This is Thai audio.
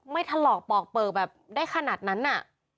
ถลอกปอกเปลือกแบบได้ขนาดนั้นน่ะ